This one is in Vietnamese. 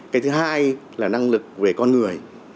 cái thứ hai là năng lực về con người